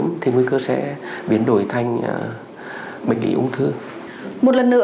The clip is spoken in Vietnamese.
một lần nữa cảm ơn bác sĩ đã nhận lời tham gia chương mục sức khỏe vào sau năm hôm nay